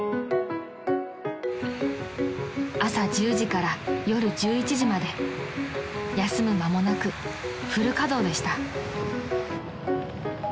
［朝１０時から夜１１時まで休む間もなくフル稼働でした］